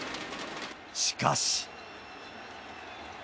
しかし。